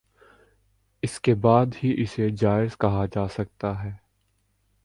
اس کے بعد ہی اسے جائز کہا جا سکتا ہے